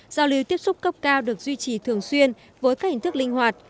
giao lưu tiếp xúc cấp cao được duy trì thường xuyên với các hình thức linh hoạt